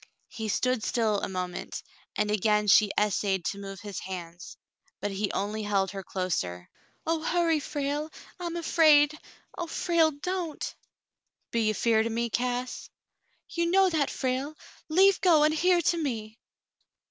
He stood still a moment, and again she essayed to move his hands, but he only held her closer. "Oh, hurry, Frale ! I'm afraid. Oh, Frale, don't !" "Be ye 'feared fer me, Cass ?" "You know that, Frale. Leave go, and hear to me."